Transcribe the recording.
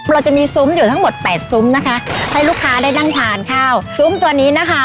เราจะมีซุ้มอยู่ทั้งหมดแปดซุ้มนะคะให้ลูกค้าได้นั่งทานข้าวซุ้มตัวนี้นะคะ